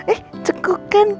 eh cukup kan